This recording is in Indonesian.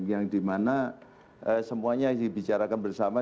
yang dimana semuanya dibicarakan bersama